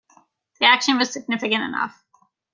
The action was significant enough.